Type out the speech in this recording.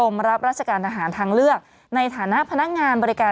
มันเยอะกว่านั้นค่ะ